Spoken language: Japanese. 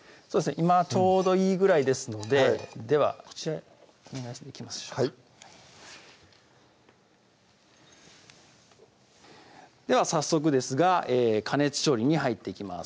今ちょうどいいぐらいですのでではこちらにお願いできますでしょうかでは早速ですが加熱調理に入っていきます